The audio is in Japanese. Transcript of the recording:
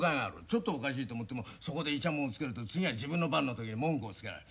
ちょっとおかしいと思ってもそこでイチャモンをつけると次は自分の番の時に文句をつけられる。